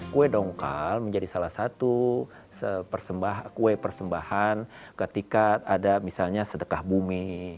kue dongkal menjadi salah satu kue persembahan ketika ada misalnya sedekah bumi